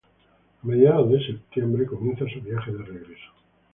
A mediados de septiembre comienza su viaje de regreso.